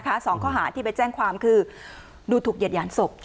๒ข้อหาที่ไปแจ้งความคือรูถุกเย็ดยานศพ